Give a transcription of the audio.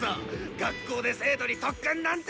学校で生徒に特訓なんて！